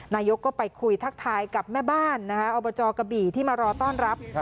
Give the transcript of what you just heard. นายกก็ไปคุยทักทายกับแม่บ้านอบจกะบี่ที่มารอต้อนรับ